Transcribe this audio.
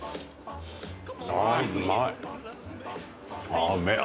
ああうめえ！